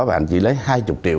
và anh chỉ lấy hai mươi triệu